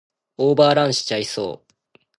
オーバーランしちゃいそう